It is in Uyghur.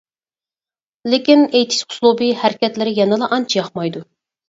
لېكىن، ئېيتىش ئۇسلۇبى، ھەرىكەتلىرى يەنىلا ئانچە ياقمايدۇ.